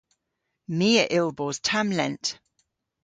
My a yll bos tamm lent.